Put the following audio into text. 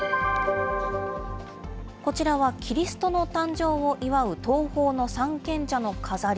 こちらはキリストの誕生を祝う東方の三賢者の飾り。